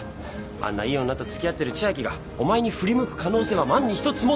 あんないい女とつきあってる千秋がお前に振り向く可能性は万に一つもないだろう。